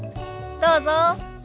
どうぞ。